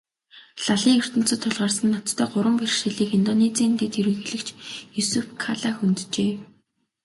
Лалын ертөнцөд тулгарсан ноцтой гурван бэрхшээлийг Индонезийн дэд ерөнхийлөгч Юсуф Калла хөнджээ.